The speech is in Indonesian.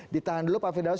di tahan dulu pak firdaus